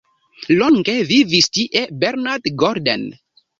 Longe vivis tie Bernard Golden.